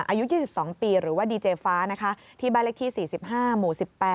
อายุ๒๒ปีหรือว่าดีเจฟ้านะคะที่บ้านเลขที่๔๕หมู่๑๘